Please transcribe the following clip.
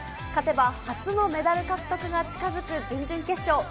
勝てば初のメダル獲得が近づく準々決勝。